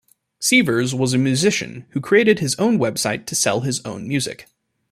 Sivers was a musician who created the website to sell his own music.